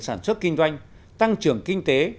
sản xuất kinh doanh tăng trưởng kinh tế